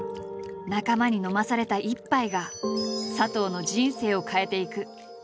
仲間に飲まされた一杯が佐藤の人生を変えていく。